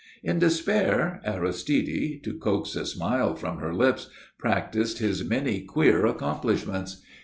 In despair Aristide, to coax a smile from her lips, practised his many queer accomplishments.